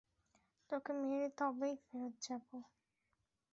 তোকে মেরে তবেই ফেরত যাবো।